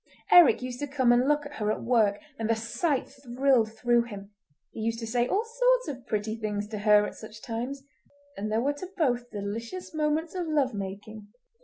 Eric used to come and look at her at work and the sight thrilled through him. He used to say all sorts of pretty things to her at such times, and there were to both delicious moments of love making.